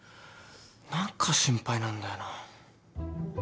何か心配なんだよな。